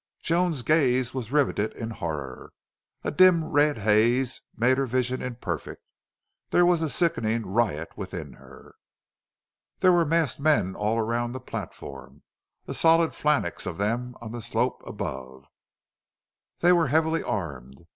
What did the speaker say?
Joan's gaze was riveted in horror. A dim, red haze made her vision imperfect. There was a sickening riot within her. There were masked men all around the platform a solid phalanx of them on the slope above. They were heavily armed.